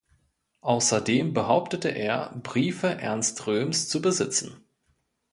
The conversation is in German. Außerdem behauptete er, Briefe Ernst Röhms zu besitzen.